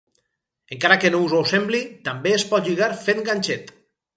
Encara que no us ho sembli també es pot lligar fent ganxet.